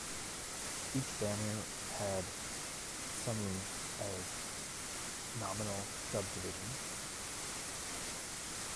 Each banner had sumu as nominal subdivisions.